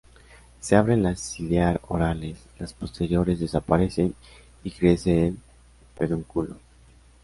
Se abren las ciliar orales, las posteriores desaparecen y crece el pedúnculo.